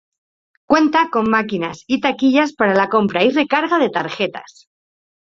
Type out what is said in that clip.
Cuenta con máquinas y taquillas para la compra y recarga de tarjetas.